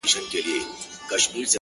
موږ څلور واړه د ژړا تر سـترگو بـد ايـسو.